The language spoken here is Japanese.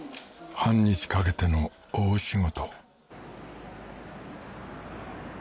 半日かけての大仕事